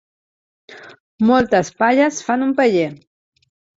Moltes palles fan un paller.